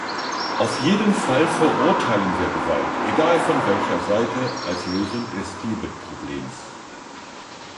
Auf jeden Fall verurteilen wir Gewalt, egal von welcher Seite, als Lösung des Tibet-Problems.